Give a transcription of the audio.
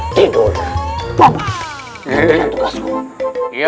udah aku cepat jangan loyok